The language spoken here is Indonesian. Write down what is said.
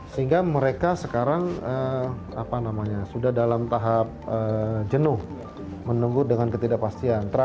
sehingga mereka sekarang sudah dalam tahap jenuh menunggu dengan ketidakpastian